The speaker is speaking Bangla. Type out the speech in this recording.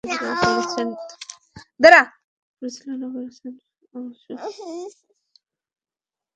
গল্প দুটি লিখেছেন তারিফ রহমান এবং পরিচালনা করেছেন তানিম রহমান অংশু।